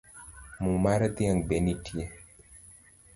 Mo mar dhiang’ be nitie?